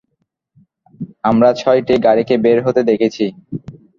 আমরা ছয়টি গাড়িকে বের হতে দেখছি।